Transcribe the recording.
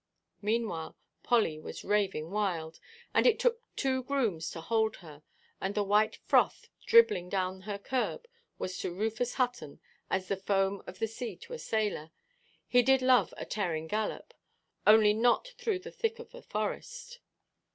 Meanwhile Polly was raving wild, and it took two grooms to hold her, and the white froth dribbling down her curb was to Rufus Hutton as the foam of the sea to a sailor. He did love a tearing gallop, only not through the thick of the forest.